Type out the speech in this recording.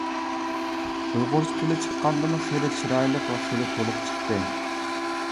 ئۇيغۇرچە تىلى چىققاندىمۇ خېلى چىرايلىق ۋە خېلى تولۇق چىقتى.